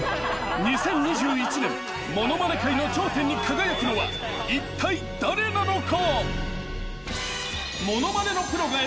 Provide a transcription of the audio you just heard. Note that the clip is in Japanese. ２０２１年ものまね界の頂点に輝くのはいったい誰なのか。